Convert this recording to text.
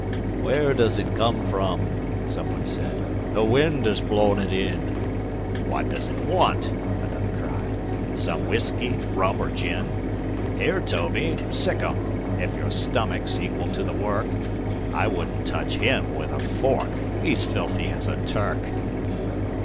"Where did it come from?" someone said. " The wind has blown it in." "What does it want?" another cried. "Some whiskey, rum or gin?" "Here, Toby, sic 'em, if your stomach's equal to the work I wouldn't touch him with a fork, he's filthy as a Turk."